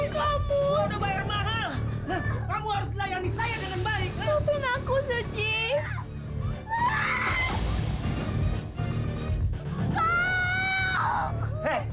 kamu harus layani saya dengan baik